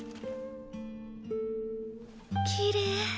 きれい。